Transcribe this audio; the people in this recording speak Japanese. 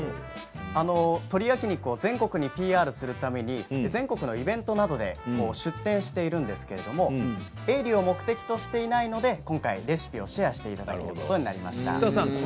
鶏焼き肉を広めようと全国のイベントで出店しているんですけれども営利を目的としていないので今回レシピをシェアしていただくことになりました。